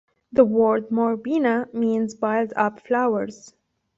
The word "Moribana" means "piled up flowers".